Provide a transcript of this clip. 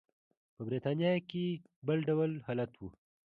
په برېټانیا کې بل ډول حالت و.